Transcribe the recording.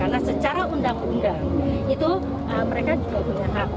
karena secara undang undang itu mereka juga punya hak